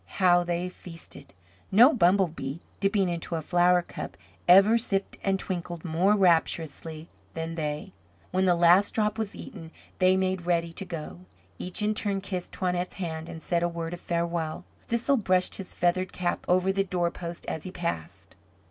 How they feasted! No bumblebee, dipping into a flower cup, ever sipped and twinkled more rapturously than they. When the last drop was eaten, they made ready to go. Each in turn kissed Toinette's hand, and said a word of farewell. Thistle brushed his feathered cap over the doorpost as he passed.